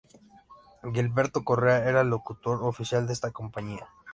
Gilberto Correa era el locutor oficial de esta compañía.